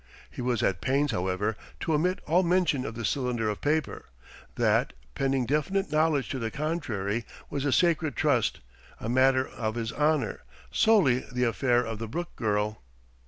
He was at pains, however, to omit all mention of the cylinder of paper; that, pending definite knowledge to the contrary, was a sacred trust, a matter of his honour, solely the affair of the Brooke girl.